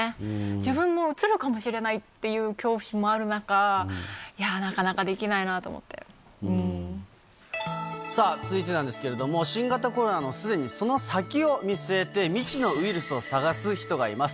自分もうつるかもしれないっていう恐怖心もある中、なかなかできさあ、続いてなんですけれども、新型コロナのすでにその先を見据えて、未知のウイルスを探す人がいます。